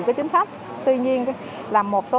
cái chính sách tuy nhiên là một số